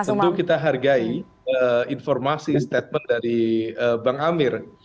tentu kita hargai informasi statement dari bang amir